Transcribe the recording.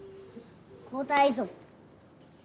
交代ぞ。